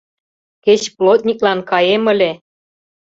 Кеч плотниклан каем ыле!